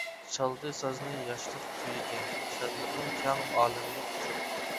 چالدى سازنى ياشلىق كۈيىگە، شادلىقىم كەڭ ئالەمنى قۇچۇپ.